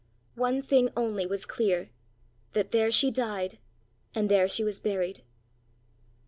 One thing, only was clear that there she died, and there she was buried!